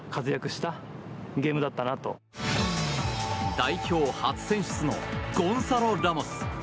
代表初選出のゴンサロ・ラモス。